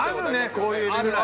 こういうエビフライ。